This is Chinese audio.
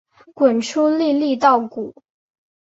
滚出粒粒稻谷